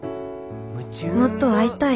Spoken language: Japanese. もっと会いたい。